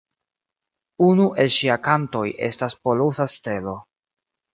Unu el ŝia kantoj estas "Polusa Stelo".